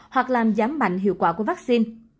hoặc làm giảm mạnh hiệu quả của vaccine